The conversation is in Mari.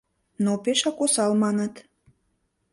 Но пешак осал, маныт.